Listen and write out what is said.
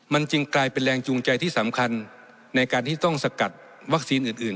มันจึงกลายเป็นแรงจูงใจที่สำคัญในการที่ต้องสกัดวัคซีนอื่น